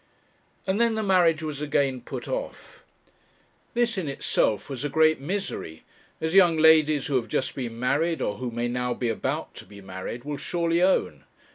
And then the marriage was again put off. This, in itself, was a great misery, as young ladies who have just been married, or who may now be about to be married, will surely own.